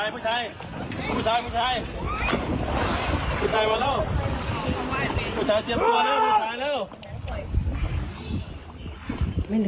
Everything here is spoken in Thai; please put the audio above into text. ผู้ชาย